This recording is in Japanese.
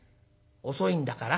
遅いんだから。